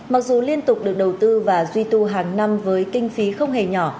mặc dù liên tục được đầu tư và duy tu hàng năm với kinh phí không hề nhỏ